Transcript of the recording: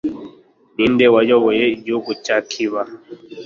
ninde wayoboye igihugu cya kiba